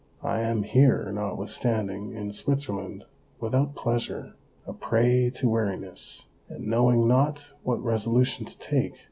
I am here, notwithstanding, in Switzerland, without pleasure, a prey to weariness, and knowing not what resolution to take.